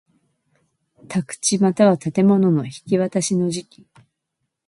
宅地又は建物の引渡しの時期